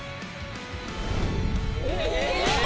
えっ⁉